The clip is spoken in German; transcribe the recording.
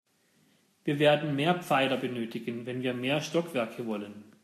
Wir werden mehr Pfeiler benötigen, wenn wir mehr Stockwerke wollen.